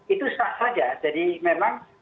itu sah saja jadi memang